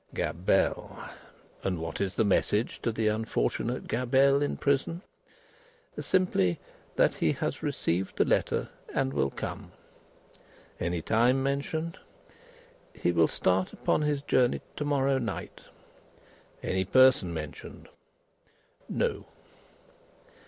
"Gabelle. And what is the message to the unfortunate Gabelle in prison?" "Simply, 'that he has received the letter, and will come.'" "Any time mentioned?" "He will start upon his journey to morrow night." "Any person mentioned?" "No."